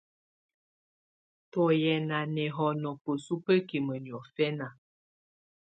Tù yɛ́ ná nɛ́hɔnɔ bǝ́su bǝ́kimǝ niɔfɛna.